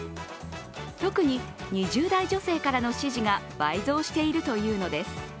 特に２０代女性からの支持が倍増しているというのです。